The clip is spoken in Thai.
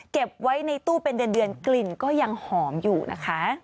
เก็บไว้ในตู้เป็นเดือนกลิ่นก็ยังหอมอยู่นะคะ